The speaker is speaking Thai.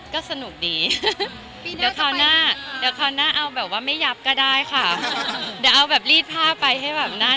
ก็สนุกดีเดี๋ยวคราวหน้าเอาแบบว่าไม่ยับก็ได้ค่ะเดี๋ยวเอาแบบลีดผ้าไปให้แบบนั้นเนาะ